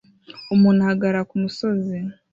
Umuntu ahagarara kumusozi